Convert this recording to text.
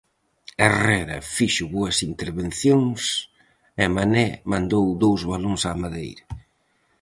Herrera fixo boas intervencións e Mané mandou dous balóns á madeira.